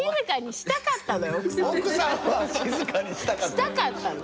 したかったの。